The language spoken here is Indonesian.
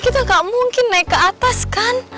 kita gak mungkin naik ke atas kan